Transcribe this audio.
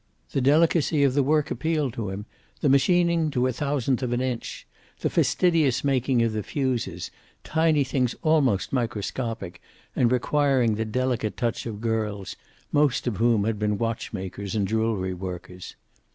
The delicacy of the work appealed to him, the machining to a thousandth of an inch, the fastidious making of the fuses, tiny things almost microscopic, and requiring the delicate touch of girls, most of whom had been watchmakers and jewelry workers.